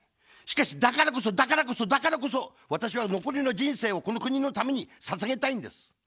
しかし、だからこそ、だからこそ、だからこそ、私は残りの人生をこの国のためにささげたいんです。